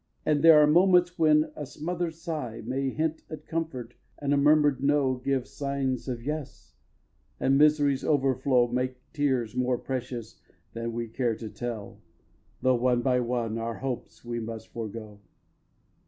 And there are moments when a smother'd sigh May hint at comfort and a murmur'd "No" Give signs of "Yes," and Misery's overflow Make tears more precious than we care to tell, Though, one by one, our hopes we must forego.